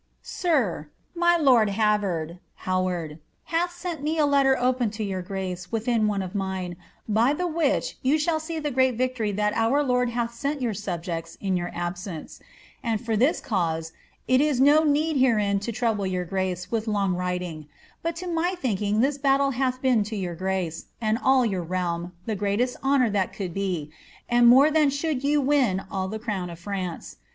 *■ MjT lord HftTmrd (Howard) hath Mnt me a letter open to your grace withio one of mine, by the which you shall see the great Tictory* that our Lord hath •em your nAjeets in yoar ahsence; and lor this cause it is no need herein to noable your grace with long writing; bnt to my thinking this battle hath been to yoar graoe, and all your realm, the greatest honour that could be, and more than ihoald yon win all the erown of France.